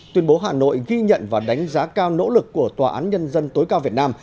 tuyên bố hà nội ghi nhận và đánh giá cao nỗ lực của tòa án nhân dân tối cao việt nam